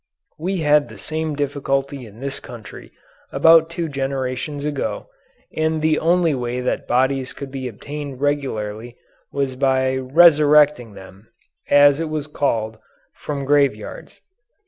We had the same difficulty in this country until about two generations ago, and the only way that bodies could be obtained regularly was by "resurrecting" them, as it was called, from graveyards.